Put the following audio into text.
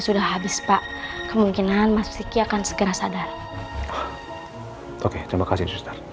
sudah membuatku bohongan besar ya ustaz